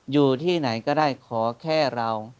อยู่ที่ไหนก็ได้ขอแค่เรา